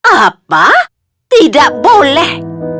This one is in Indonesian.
apa tidak boleh